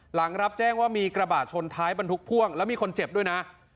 หลังรับแจ้งว่ามีกระบะชนท้ายบรรทุกพ่วงแล้วมีคนเจ็บด้วยนะ